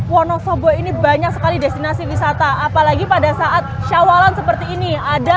wonosobo ini banyak sekali destinasi wisata apalagi pada saat syawalan seperti ini ada